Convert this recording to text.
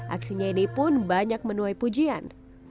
aksinya ini pun banyak menuai pujian